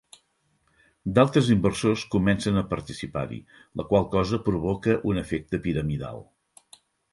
D'altres inversors comencen a participar-hi, la qual cosa provoca a un efecte piramidal.